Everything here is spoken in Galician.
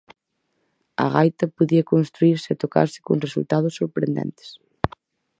A gaita podía construírse e tocarse con resultados sorprendentes.